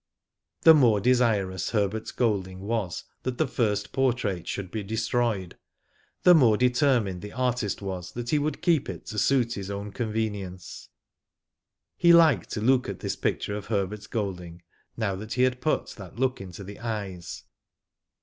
The more desirous Herbert Golding was that the first portrait should be destroyed, the more determined the artist was that he would keep it to suit his own convenience. He liked to look at this picture of Herbert Golding now he had put that look in the eyes.